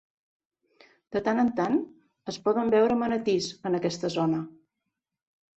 De tant en tant, es poden veure manatís en aquesta zona.